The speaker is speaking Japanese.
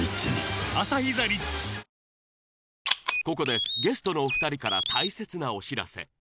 ここでゲストのお二人から大切なお知らせ